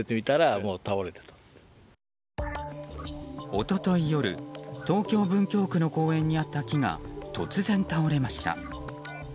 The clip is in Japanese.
一昨日夜、東京・文京区の公園にあった木が突然倒れました。